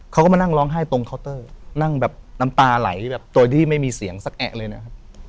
เขาก็มานั่งร้องไห้ตรงเคาน์เตอร์นั่งแบบน้ำตาไหลแบบโดยที่ไม่มีเสียงสักแอะเลยนะครับ